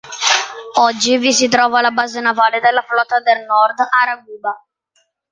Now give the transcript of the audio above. Oggi vi si trova la base navale della Flotta del Nord "Ara-Guba".